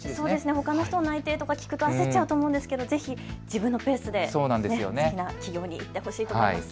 ほかの人の内定とか聞くと焦っちゃうと思うんですけど、自分のペースで好きな企業に行ってほしいと思います。